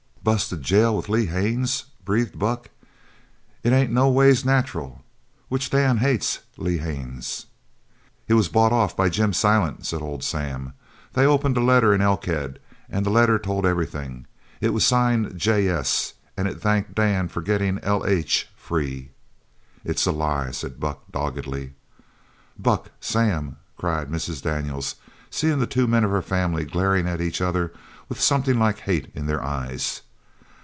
"Busted jail with Lee Haines!" breathed Buck. "It ain't no ways nacheral. Which Dan hates Lee Haines!" "He was bought off by Jim Silent," said old Sam. "They opened a letter in Elkhead, an' the letter told everything. It was signed "J.S." an' it thanked Dan for gettin' "L.H." free." "It's a lie!" said Buck doggedly. "Buck! Sam!" cried Mrs. Daniels, seeing the two men of her family glaring at each other with something like hate in their eyes.